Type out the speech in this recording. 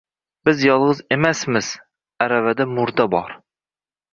Biz yolg`iz emasmiz, aravada murda bor